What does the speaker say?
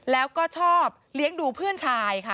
แล้วก็ชอบเลี้ยงดูเพื่อนชายค่ะ